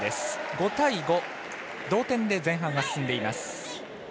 ５対５、同点で前半は進んでいます。